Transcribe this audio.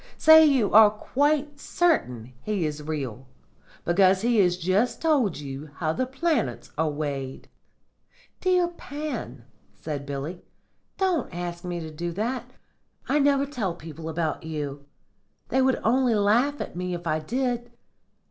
Say you are quite certain he is real, because he has just told you how the planets are weighed.' "'Dear Pan,' said Billy, 'don't ask me to do that. I never tell people about you; they would only laugh at me if I did.